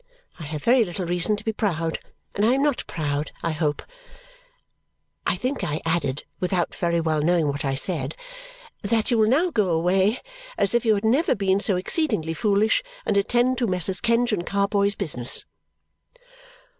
I have very little reason to be proud, and I am not proud. I hope," I think I added, without very well knowing what I said, "that you will now go away as if you had never been so exceedingly foolish and attend to Messrs. Kenge and Carboy's business."